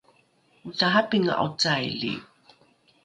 otarapinga’o caili?